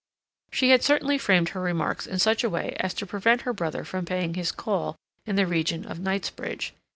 She had certainly framed her remarks in such a way as to prevent her brother from paying his call in the region of Knightsbridge.